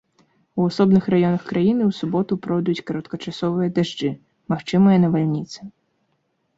У асобных раёнах краіны ў суботу пройдуць кароткачасовыя дажджы, магчымыя навальніцы.